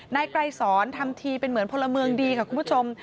นายไกรสอนทำทีเป็นเหมือนพลเมืองดีค่ะคุณผู้ชม